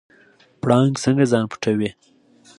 پړانګ څنګه ځان پټوي؟